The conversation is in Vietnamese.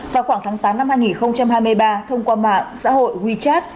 vào khoảng tháng tám năm hai nghìn hai mươi ba thông qua mạng xã hội wechat